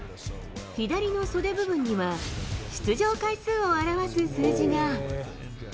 左の袖部分には、出場回数を表す数字が。